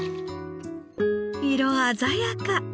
色鮮やか！